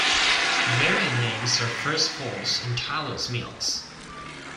Variant names are First Falls and Tyler's Mills.